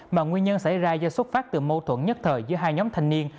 mà nguyên nhân xảy ra do xuất phát từ mâu thuẫn nhất thời giữa hai nhóm thanh niên